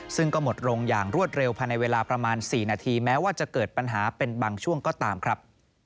ซึ่งก็หมดลงอย่างรวดเร็วภายในเวลาประมาณ๔นาทีแม้ว่าจะเกิดปัญหาเป็นบางช่วงก็ตามครับ